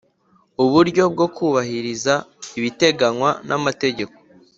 Uburyo bwo kubahiriza ibiteganywa n amategeko